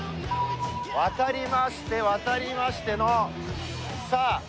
渡りまして渡りましてのさあ。